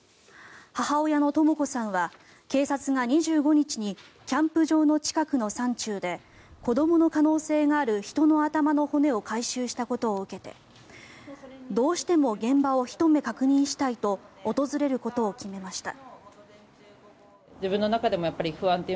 母親のとも子さんは警察が２５日にキャンプ場の近くの山中で子どもの可能性がある人の頭の骨を回収したことを受けてどうしても現場をひと目確認したいと訪れることを決めました。